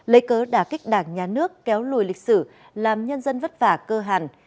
lấy cớ đà kích đảng nhà nước kéo lùi lịch sử làm nhân dân vất vả cơ hẳn